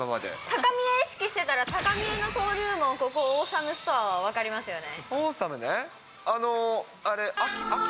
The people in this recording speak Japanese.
高見え意識してたら、高見えの登竜門、ここ、オーサムストアは分かりますよね？